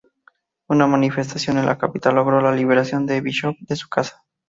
Una manifestación en la capital logró la liberación de Bishop de su casa.